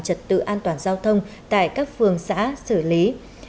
trật tự an toàn giao thông tại các phường xã xử lý